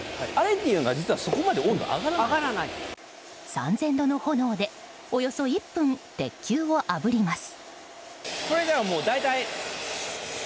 ３０００度の炎でおよそ１分、鉄球をあぶります。